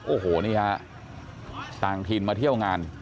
โอ้โหนี่ครับสร้างทีนมาเที่ยวงาน